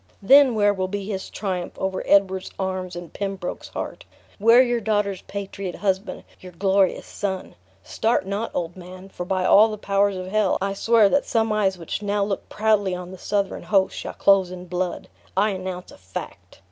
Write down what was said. Then where will be his triumphs over Edward's arms and Pembroke's heart? Where your daughter's patriot husband; you glorious son? Start not, old man, for by all the powers of hell I swear that some eyes which now look proudly on the Southron host, shall close in blood! I announce a fact!"